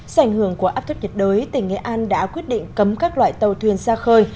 sảnh hưởng của áp thấp nhiệt đới tỉnh nghệ an đã quyết định cấm các loại tàu thuyền ra khơi